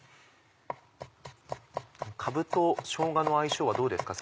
かぶとしょうがの相性はどうですか？